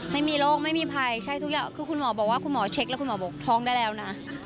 ไม่มีโรคไม่มีภัยคุณหมอเช็คแล้วคุณหมอบอกท้องได้แล้วนะ